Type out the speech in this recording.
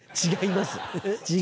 違います